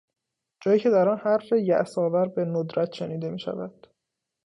جایی که در آن حرف یاس آور به ندرت شنیده میشود